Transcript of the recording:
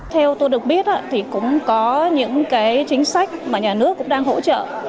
theo tôi được biết cũng có những chính sách mà nhà nước cũng đang hỗ trợ